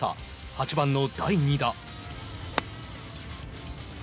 ８番の第２打。